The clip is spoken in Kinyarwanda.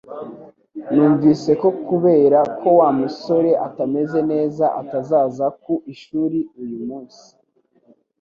Numvise ko kubera ko Wa musore atameze neza atazaza ku ishuri uyu munsi